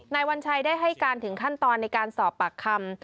วัญชัยได้ให้การถึงขั้นตอนในการสอบปากคำ